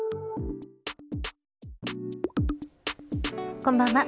こんばんは。